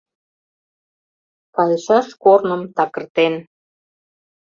Кайышаш корным такыртен.